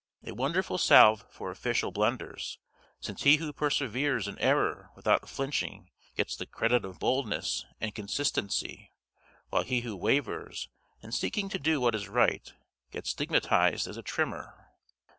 A wonderful salve for official blunders; since he who perseveres in error without flinching gets the credit of boldness and consistency, while he who wavers, in seeking to do what is right, gets stigmatised as a trimmer.